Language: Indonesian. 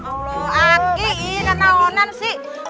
aduh aku ini kenaonan sih